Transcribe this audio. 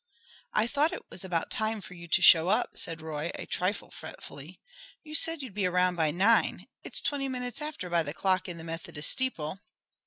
"I thought it was about time for you to show up," said Roy a trifle fretfully. "You said you'd be around by nine; it's twenty minutes after by the clock in the Methodist steeple."